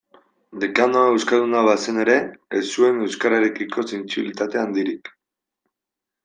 Dekanoa euskalduna bazen ere, ez zuen euskararekiko sentsibilitate handirik.